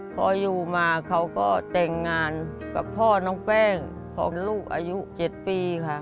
พออยู่มาเขาก็แต่งงานกับพ่อน้องแป้งของลูกอายุ๗ปีค่ะ